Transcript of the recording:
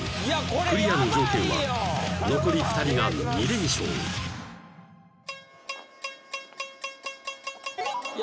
クリアの条件は残り２人が２連勝いや